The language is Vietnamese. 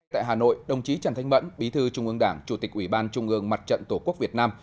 tại hà nội đồng chí trần thanh mẫn bí thư trung ương đảng chủ tịch ủy ban trung ương mặt trận tổ quốc việt nam